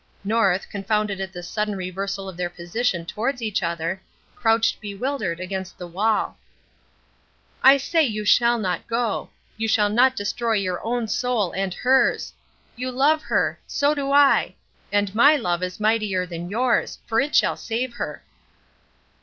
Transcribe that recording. North, confounded at this sudden reversal of their position towards each other, crouched bewildered against the wall. "I say you shall not go! You shall not destroy your own soul and hers! You love her! So do I! and my love is mightier than yours, for it shall save her!"